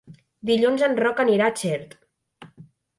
Dilluns en Roc anirà a Xert.